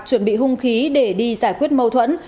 chuẩn bị hung khí để đi giải quyết mâu thuẫn